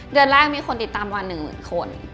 เดือนแรกมีคนติดตามวัน๑หมื่นคน